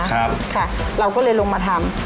ค่ะเราก็เลยลงมาทำ